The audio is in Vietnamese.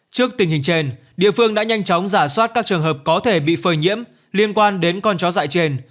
trước tình hình trên địa phương đã nhanh chóng giả soát các trường hợp có thể bị phơi nhiễm liên quan đến con chó dại trên